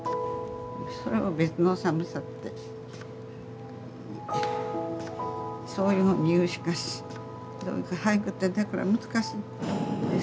それは別の寒さってそういうふうに言うしか俳句ってだから難しいんです。